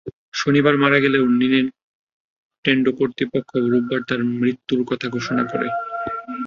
শনিবার মারা গেলেও নিনটেনডো কর্তৃপক্ষ পরদিন রোববার তাঁর মৃত্যুর কথা ঘোষণা করে।